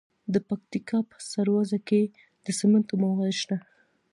د پکتیکا په سروضه کې د سمنټو مواد شته.